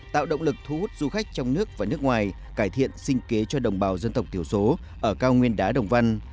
tạo động lực thu hút du khách trong nước và nước ngoài cải thiện sinh kế cho đồng bào dân tộc thiểu số ở cao nguyên đá đồng văn